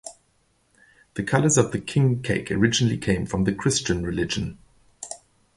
The colors of the king cake originally came from the Christian religion.